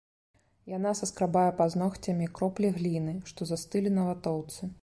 Яна саскрабае пазногцямі кроплі гліны, што застылі на ватоўцы.